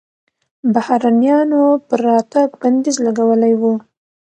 بهرنیانو پر راتګ بندیز لګولی و.